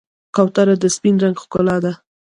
کوتره د سپین رنګ ښکلا ده.